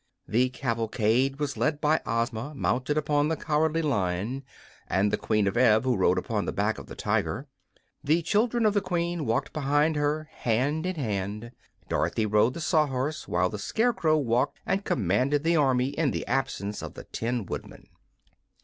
The cavalcade was led by Ozma, mounted on the Cowardly Lion, and the Queen of Ev, who rode upon the back of the Tiger. The children of the Queen walked behind her, hand in hand. Dorothy rode the Sawhorse, while the Scarecrow walked and commanded the army in the absence of the Tin Woodman.